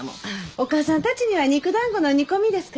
お義母さんたちには肉だんごの煮込みですから。